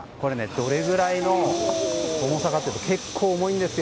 どれぐらいの重さかというと結構重いんです。